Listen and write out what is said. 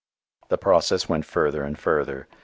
The process went further and further.